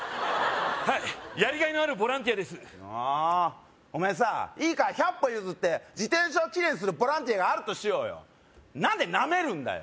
はいやり甲斐のあるボランティアですはあお前さいいか百歩譲って自転車をキレイにするボランティアがあるとしようよ何でなめるんだよ